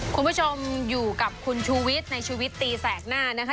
คุณผู้ชมอยู่กับคุณชูวิทย์ในชีวิตตีแสกหน้านะคะ